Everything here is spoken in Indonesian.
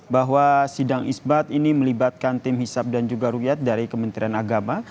bahwa sidang isbat ini melibatkan tim hisap dan juga ruyat dari kementerian agama